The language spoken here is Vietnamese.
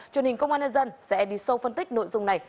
truyền hình công an nhân dân sẽ đi sâu phân tích nội dung này